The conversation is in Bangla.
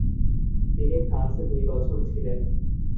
তিনি ফ্রান্সে দুই বছর ছিলেন।